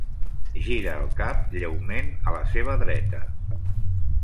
Gira el cap lleument a la seva dreta.